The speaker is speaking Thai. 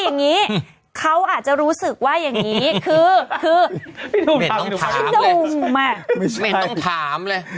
อย่างนี้เขาอาจจะรู้สึกว่าอย่างนี้คือคือไม่ต้องถามเลย